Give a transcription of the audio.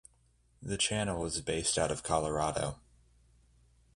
The channel is based out of Colorado.